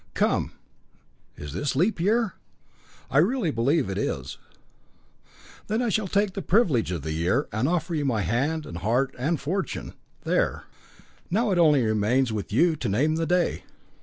Come is this leap year?" "I really believe that it is." "Then I shall take the privilege of the year, and offer you my hand and heart and fortune there! Now it only remains with you to name the day."